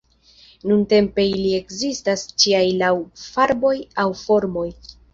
Nuntempe ili ekzistas ĉiaj laŭ farboj aŭ formoj.